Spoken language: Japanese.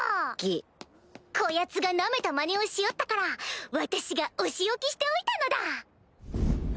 コヤツがナメたまねをしよったから私がお仕置きしておいたのだ！